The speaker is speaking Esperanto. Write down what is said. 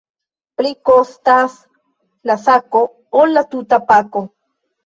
Pli kostas la sako, ol la tuta pako.